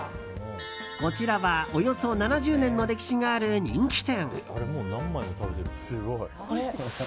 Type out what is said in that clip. こちらはおよそ７０年の歴史がある人気店。